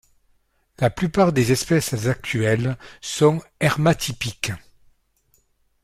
La plupart des espèces actuelles sont hermatypiques.